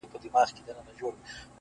• ورځه وريځي نه جــلا ســـولـه نـــن ـ